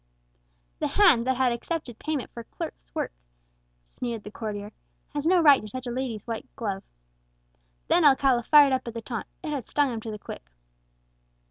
"'The hand that had accepted payment for clerk's work,' sneered the courtier, 'has no right to touch a lady's white glove.' Then Alcala fired up at the taunt; it had stung him to the quick.